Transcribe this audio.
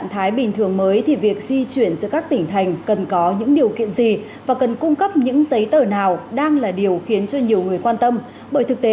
hãy đăng ký kênh để ủng hộ kênh của chúng mình nhé